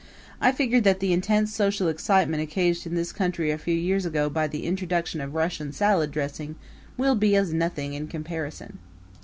I figure that the intense social excitement occasioned in this country a few years ago by the introduction of Russian salad dressing will be as nothing in comparison.